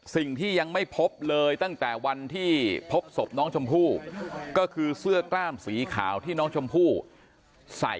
สิ่งที่ยังไม่พบเลยตั้งแต่วันที่พบศพน้องชมพู่ก็คือเสื้อกล้ามสีขาวที่น้องชมพู่ใส่